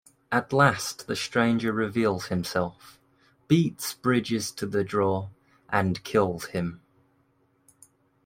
At last the Stranger reveals himself, beats Bridges to the draw, and kills him.